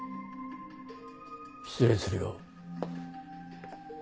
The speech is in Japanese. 失礼するよ。